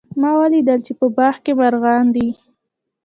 ما ولیدل چې په باغ کې مرغان دي